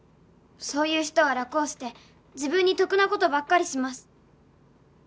「そういう人は楽をして自分に得な事ばっかりします」